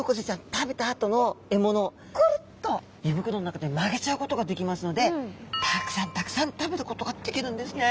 食べたあとの獲物をくるっと胃袋の中で曲げちゃうことができますのでたくさんたくさん食べることができるんですね。